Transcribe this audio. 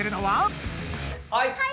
はい！